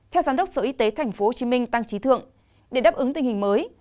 theo giám đốc sở y tế thành phố hồ chí minh tăng trí thượng để đáp ứng tình hình mới